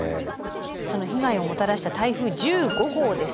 その被害をもたらした台風１５号です。